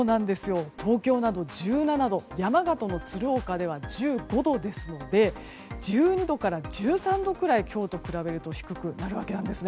東京など１７度山形の鶴岡では１５度ですので１２度から１３度くらい今日と比べると低くなるわけです。